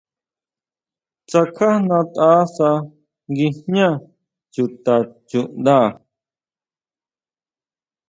Tsakjajnataʼsa guijñá chuta chuʼnda.